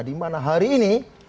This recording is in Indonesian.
dimana hari ini